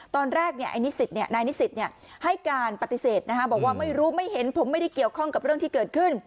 ตอนแรกนายนิสิตให้การปฏิเสธบอกว่าไม่รู้ไม่เห็นผมไม่ได้เกี่ยวข้องกับเรื่องที่เกิดขึ้น